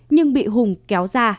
nhưng bị hùng kéo ra